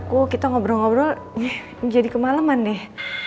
wah kita ngobrol ngobrol jadi kemaleman deh